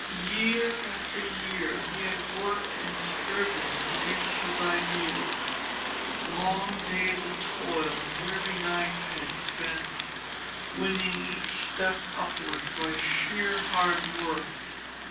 Year after year had he worked and striven to reach his ideal. Long days of toil and weary nights had he spent, winning each step upwards by sheer hard work.